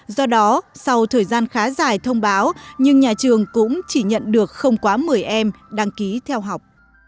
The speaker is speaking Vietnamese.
do đó sau thời gian khá dài thông báo nhưng nhà trường cũng chỉ nhận được không quá một mươi em đăng ký theo học